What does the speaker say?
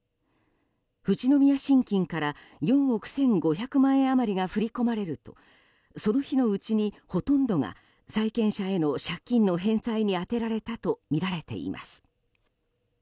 富士宮信金から４億１５００万円余りが振り込まれるとその日のうちにほとんどが債権者への返済に充てられたとみられています。